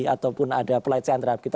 atau ada pelayanan terhadap kita